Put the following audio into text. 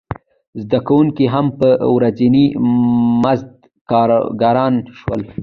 زده کوونکي هم په ورځیني مزد کارګران شول.